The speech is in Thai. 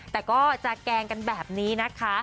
แต่ก็จะแกล้งกันแบบนี้นะคะ